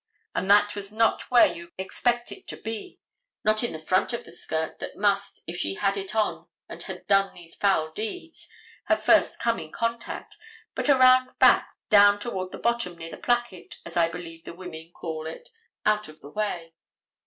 And that was not where you could expect it to be; not in the front of the skirt that must, if she had it on and had done these foul deeds, have first come in contact, but around back down toward the bottom near the placket, as I believe the women call it, out of the way.